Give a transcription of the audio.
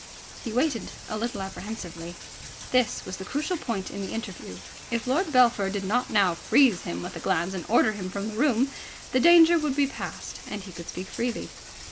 He waited a little apprehensively. This was the crucial point in the interview. If Lord Belpher did not now freeze him with a glance and order him from the room, the danger would be past, and he could speak freely.